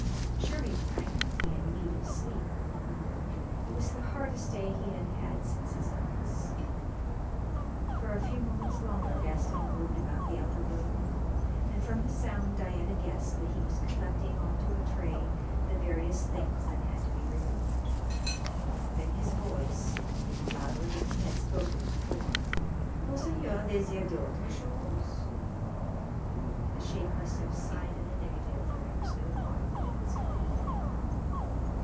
Surely to night he had need of sleep. It was the hardest day he had had since his illness. For a few moments longer Gaston moved about the outer room, and from the sound Diana guessed that he was collecting on to a tray the various things that had to be removed. Then his voice, louder than he had spoken before: "Monseigneur desir d'autre chose?" The Sheik must have signed in the negative, for there was no audible answer.